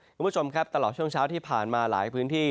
คุณผู้ชมครับตลอดช่วงเช้าที่ผ่านมาหลายพื้นที่